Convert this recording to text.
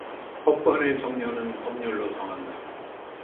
법관의 정년은 법률로 정한다.